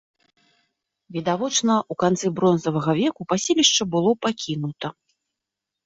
Відавочна, у канцы бронзавага веку паселішча было пакінута.